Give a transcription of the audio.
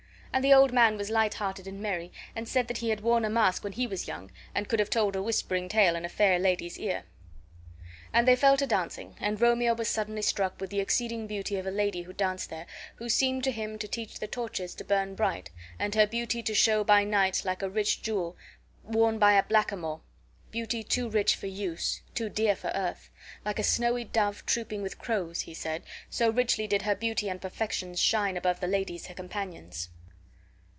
And the old man was light hearted and merry, and said that he had worn a mask when he was young and could have told a whispering tale in a fair lady's ear. And they fell to dancing, and Romeo was suddenly struck with the exceeding beauty of a lady who danced there, who seemed to him to teach the torches to burn bright, and her beauty to show by night like a rich jewel worn by a blackamoor; beauty too rich for use, too dear for earth! like a snowy dove trooping with crows (he said), so richly did her beauty and perfections shine above the ladies her companions.